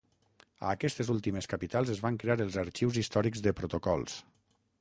A aquestes últimes capitals es van crear els arxius històrics de protocols.